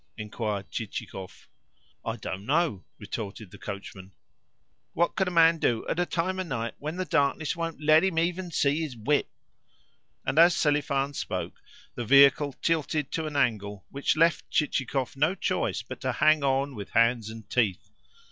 inquired Chichikov. "I don't know," retorted the coachman. "What can a man do at a time of night when the darkness won't let him even see his whip?" And as Selifan spoke the vehicle tilted to an angle which left Chichikov no choice but to hang on with hands and teeth.